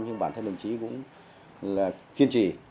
nhưng bản thân mình cũng kiên trì